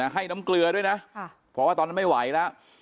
ให้น้ำเกลือด้วยนะเพราะว่าตอนนั้นไม่ไหวแล้ว